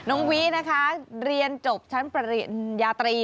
น้องวินะคะเรียนจบชั้นปริญญาตรี